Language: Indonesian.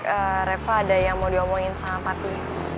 eh reva ada yang mau diomongin sama papi